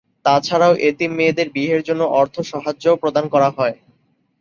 তাছাড়াও, এতিম মেয়েদের বিয়ের জন্য অর্থ সাহায্যও প্রদান করা হয়।